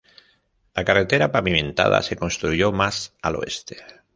La carretera pavimentada se construyó más al oeste.